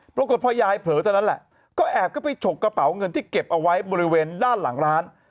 ปรากฏพอยายเผลอตอนนั้นแหละก็แอบเข้าไปฉกกระเป๋าเงินที่เก็บเอาไว้บริเวณด้านหลังร้าน